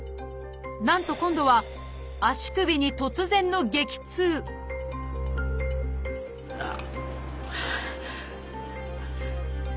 なんと今度は足首に突然の激痛あっ！